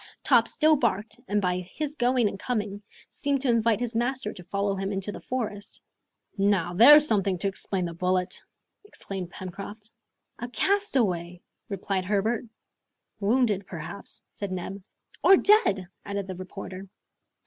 Top still barked, and by his going and coming, seemed to invite his master to follow him into the forest. "Now there's something to explain the bullet!" exclaimed Pencroft. "A castaway!" replied Herbert. "Wounded, perhaps!" said Neb. "Or dead!" added the reporter.